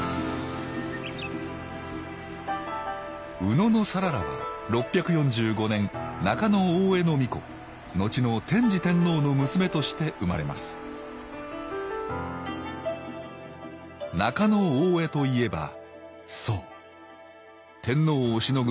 野讃良は６４５年中大兄皇子のちの天智天皇の娘として生まれます中大兄といえばそう天皇をしのぐ